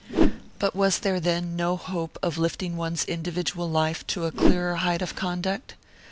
But was there then no hope of lifting one's individual life to a clearer height of conduct?